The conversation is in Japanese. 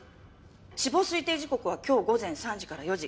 死亡推定時刻は今日午前３時から４時。